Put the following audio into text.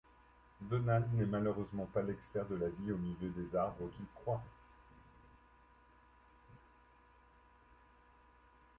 Donald n'est malheureusement pas l'expert de la vie au milieu des arbres qu'il croit.